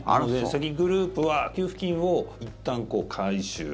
詐欺グループは給付金をいったん回収。